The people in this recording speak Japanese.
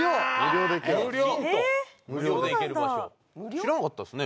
知らなかったですね